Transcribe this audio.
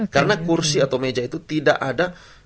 karena kursi atau meja itu tidak ada